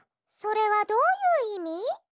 それはどういういみ？